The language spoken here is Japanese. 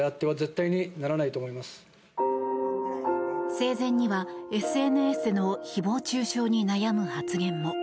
生前にはＳＮＳの誹謗・中傷に悩む発言も。